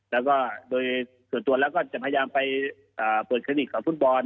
แล้วก็โดยส่วนตัวแล้วก็จะพยายามไปเปิดคลินิกกับฟุตบอล